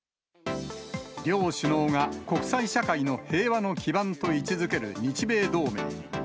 両首脳が国際社会の平和の基盤と位置づける日米同盟。